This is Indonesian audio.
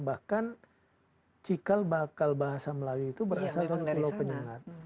bahkan cikal bakal bahasa melayu itu berasal dari pulau penyengat